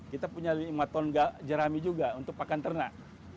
kita punya lima ton jerami juga untuk pakan ternak